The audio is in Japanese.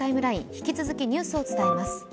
引き続きニュースを伝えます。